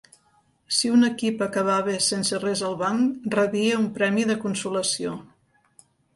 Si un equip acabava sense res al banc, rebia un premi de consolació.